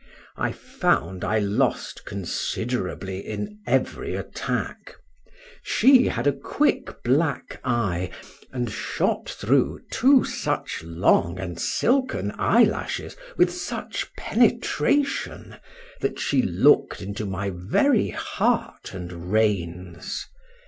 I found I lost considerably in every attack:—she had a quick black eye, and shot through two such long and silken eyelashes with such penetration, that she look'd into my very heart and reins.